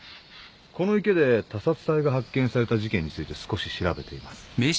この池で他殺体が発見された事件について少し調べています。